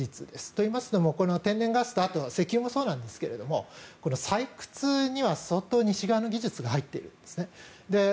といいますのも天然ガスとあと石油もそうなんですけど採掘には相当西側の技術が入っているんです。